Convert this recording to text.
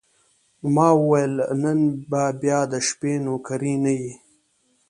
ما وویل: نن به بیا د شپې نوکري نه یې؟